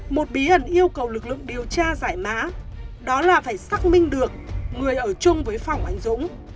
một bí ẩn yêu cầu lực lượng điều tra giải mã đó là phải xác minh được người ở chung với phòng anh dũng